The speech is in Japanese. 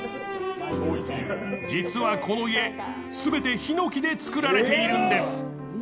実はこの家、全てひのきで造られているんです。